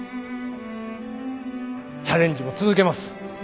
チャレンジも続けます。